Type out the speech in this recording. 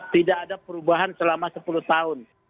tidak ada perubahan selama sepuluh tahun